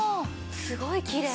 すごいきれい。